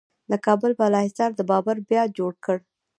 د کابل بالا حصار د بابر بیا جوړ کړ